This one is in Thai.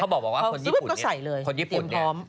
เขาบอกว่าคนญี่ปุ่นเนี่ยเดี๋ยวพร้อมคนญี่ปุ่นก็ใส่เลย